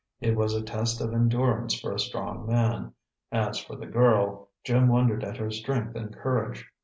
It was a test of endurance for a strong man; as for the girl, Jim wondered at her strength and courage.